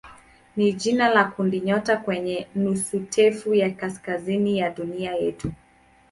ni jina la kundinyota kwenye nusutufe ya kaskazini ya dunia yetu.